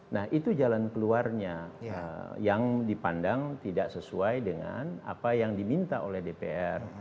nah itu jalan keluarnya yang dipandang tidak sesuai dengan apa yang diminta oleh dpr